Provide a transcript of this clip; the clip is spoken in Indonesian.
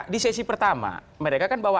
di sesi pertama mereka kan bawa